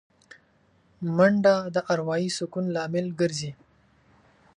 منډه د اروايي سکون لامل ګرځي